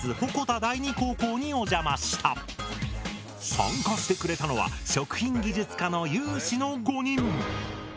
参加してくれたのは食品技術科の有志の５人！